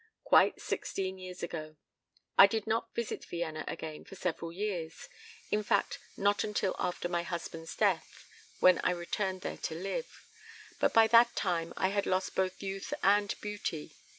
"Quite sixteen years ago. I did not visit Vienna again for several years; in fact, not until after my husband's death, when I returned there to live. But by that time I had lost both youth and beauty.